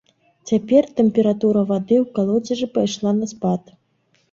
Цяпер тэмпература вады ў калодзежы пайшла на спад.